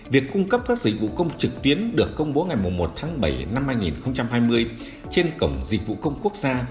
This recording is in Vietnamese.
việc cung cấp các dịch vụ công trực tuyến được công bố ngày một tháng bảy năm hai nghìn hai mươi trên cổng dịch vụ công quốc gia